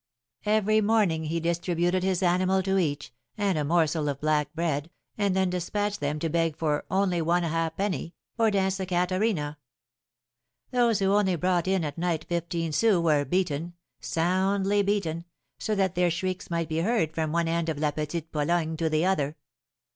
Every morning he distributed his animal to each, and a morsel of black bread, and then despatched them to beg for 'Only one ha'penny!' or dance the Catarina. Those who only brought in at night fifteen sous were beaten, soundly beaten, so that their shrieks might be heard from one end of La Petite Pologne to the other.